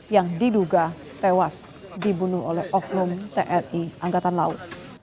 yang diduga tewas dibunuh oleh oknum tni angkatan laut